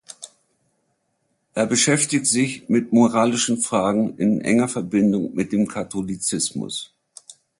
Er beschäftigt sich mit moralischen Fragen in enger Verbindung mit dem Katholizismus.